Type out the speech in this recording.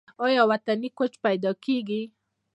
آیا وطني کوچ پیدا کیږي؟